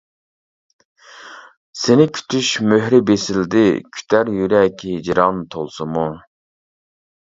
سېنى كۈتۈش مۆھرى بېسىلدى، كۈتەر يۈرەك ھىجران تولسىمۇ.